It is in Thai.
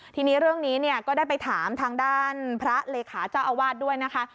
ทีนี้เรื่องนี้เนี่ยก็ได้ไปถามทางด้านพระเลขาเจ้าอาวาสด้วยนะคะ